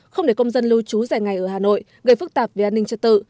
không để công dân lưu trú rẻ ngày ở hà nội gây phức tạp về an ninh trật tự